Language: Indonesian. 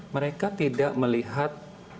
mereka tidak melihat